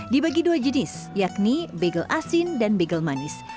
dibagi dua jenis yakni bagel asin dan bagel manis